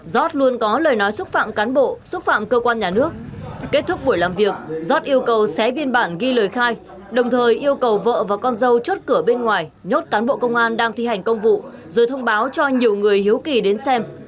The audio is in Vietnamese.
giót luôn có lời nói xúc phạm cán bộ xúc phạm cơ quan nhà nước kết thúc buổi làm việc giót yêu cầu xé biên bản ghi lời khai đồng thời yêu cầu vợ và con dâu chốt cửa bên ngoài nhốt cán bộ công an đang thi hành công vụ rồi thông báo cho nhiều người hiếu kỳ đến xem